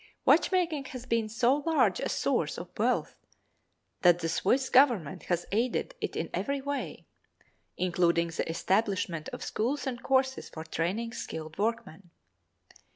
Watchmaking has been so large a source of wealth that the Swiss government has aided it in every way, including the establishment of schools and courses for training skilled workmen.